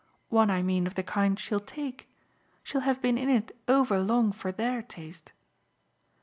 One, I mean, of the kind she'll take. She'll have been in it over long for THEIR taste."